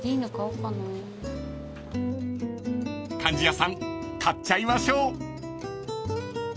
［貫地谷さん買っちゃいましょう］